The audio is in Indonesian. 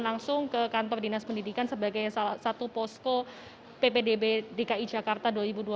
langsung ke kantor dinas pendidikan sebagai salah satu posko ppdb dki jakarta dua ribu dua puluh